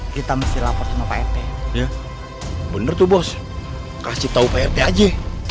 kita mesti lapor sama pak rt bener tuh bos kasih tau prt aja